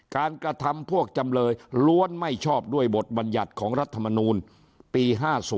กระทำพวกจำเลยล้วนไม่ชอบด้วยบทบัญญัติของรัฐมนูลปี๕๐